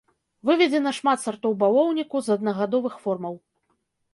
Выведзена шмат сартоў бавоўніку з аднагадовых формаў.